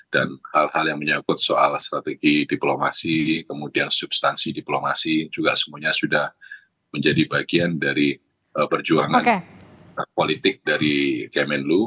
dan hal hal yang menyangkut soal strategi diplomasi kemudian substansi diplomasi juga semuanya sudah menjadi bagian dari perjuangan politik dari kemenlu